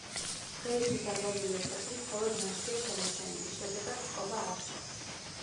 დღეისთვის დარბაზული ეკლესიის მხოლოდ ნაშთია შემორჩენილი, შედეგად წყობა არ ჩანს.